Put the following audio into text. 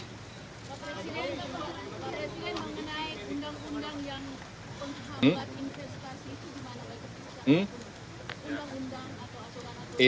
penggunaan investasi itu di mana lagi bisa dilakukan undang undang atau asuransi